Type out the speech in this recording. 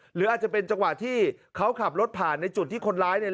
หรืออาจจะเป็นจังหวะที่เขาขับรถผ่านในจุดที่คนร้าย